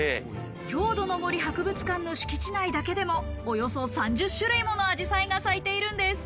郷土の森博物館の敷地内だけでも、およそ３０種類もの紫陽花が咲いているんです。